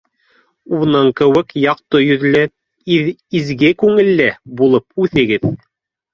— Уның кеүек яҡты йөҙлө, изге күңелле булып үҫегеҙ.